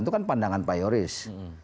itu kan pandangan pak yoris